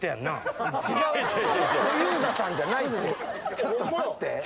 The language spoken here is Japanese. ⁉ちょっと待って。